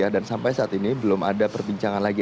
dan sampai saat ini belum ada perbincangan lagi